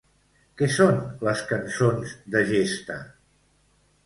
Què són les cançons de gesta?